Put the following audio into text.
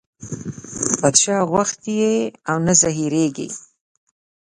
باچا غوښتي یاست او نه زهرېږئ.